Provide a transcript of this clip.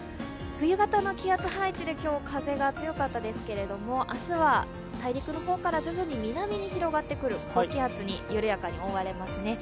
冬型の気圧配置で今日、風が強かったですけれども、明日は大陸の方から徐々に徐々に南に広がってくる高気圧に緩やかに覆われます。